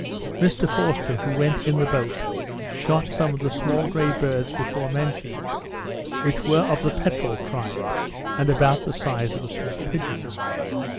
Mr Forster, who went in the boat, shot some of the small grey birds before mentioned, which were of the peterel tribe, and about the size of a small pigeon.